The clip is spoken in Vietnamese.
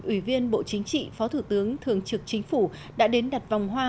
ủy viên bộ chính trị phó thủ tướng thường trực chính phủ đã đến đặt vòng hoa